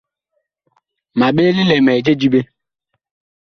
Ma ɓee lilɛmɛɛ je diɓe.